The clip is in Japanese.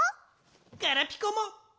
ガラピコも！